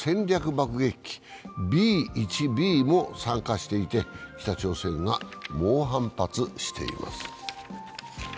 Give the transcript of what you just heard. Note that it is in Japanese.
爆撃機Ｂ−１Ｂも参加していて、北朝鮮が猛反発しています。